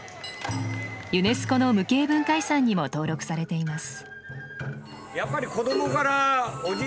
ユネスコの無形文化遺産にも登録されています。